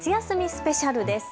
スペシャルです。